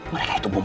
mereka itu berhasil